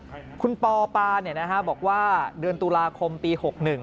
อาศักดิ์คุณพปาบอกว่าเดือนตุลาคมปี๖นึง